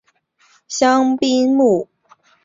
香槟穆通人口变化图示